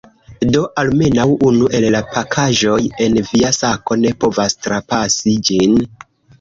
Do, almenaŭ unu el la pakaĵoj en via sako ne povas trapasi ĝin.